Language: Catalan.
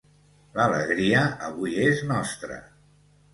L'alegria avui és nostra.